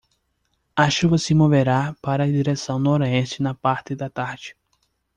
A chuva se moverá para a direção noroeste na parte da tarde.